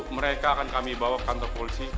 mereka akan kami bawa ke kantor polisi